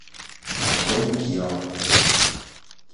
مردم گیا